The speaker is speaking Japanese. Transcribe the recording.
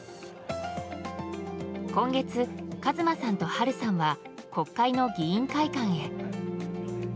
今月、和真さんと春さんは国会の議員会館へ。